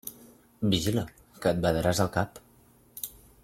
Vigila, que et badaràs el cap!